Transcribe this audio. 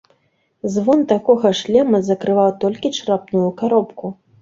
Звон такога шлему закрываў толькі чарапную каробку.